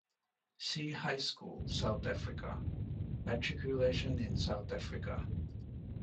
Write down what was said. See High school: South Africa; Matriculation in South Africa.